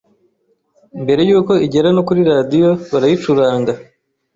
Mbere yuko igera no kuri radio barayicuranga